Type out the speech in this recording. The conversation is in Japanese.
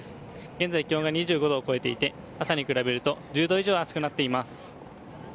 現在気温が２５度を超えていて朝に比べると１０度以上暑くなっています。